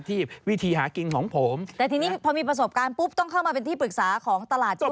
แต่ทีนี้พอมีประสบการณ์ปุ๊บต้องเข้ามาเป็นที่ปรึกษาของตลาด